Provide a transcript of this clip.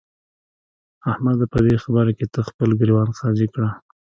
احمده! په دې خبره کې ته خپل ګرېوان قاضي کړه.